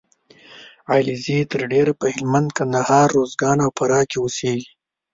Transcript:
علیزي تر ډېره په هلمند ، کندهار . روزګان او فراه کې اوسېږي